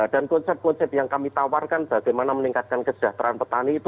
dan konsep konsep yang kami tawarkan bagaimana meningkatkan kesejahteraan petani itu